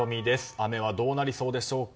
雨はどうなりそうでしょうか。